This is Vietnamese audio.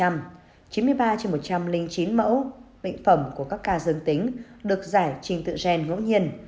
chín mươi ba trên một trăm linh chín mẫu bệnh phẩm của các ca dương tính được giải trình tự gen ngẫu nhiên